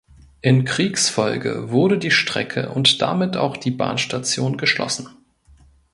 In Kriegsfolge wurde die Strecke und damit auch die Bahnstation geschlossen.